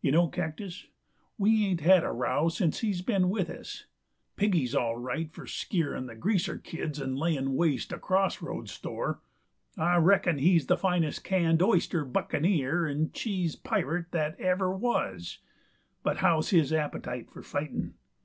You know, Cactus, we ain't had a row since he's been with us. Piggy's all right for skearin' the greaser kids and layin' waste a cross roads store. I reckon he's the finest canned oyster buccaneer and cheese pirate that ever was, but how's his appetite for fightin'?